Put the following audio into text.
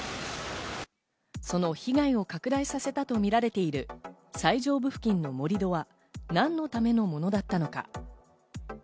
その被害を拡大させたとみられている最上部付近の盛り土は何のためのものだったのか。